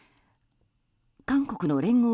韓国の聯合